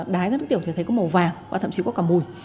đáy ra nước tiểu thấy có màu vàng và thậm chí có cả mùi